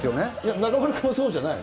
中丸君はそうじゃないの？